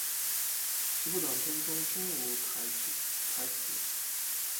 十部短片中均无台词。